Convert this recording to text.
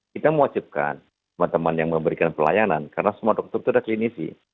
kita mewajibkan teman teman yang memberikan pelayanan karena semua dokter itu ada klinisi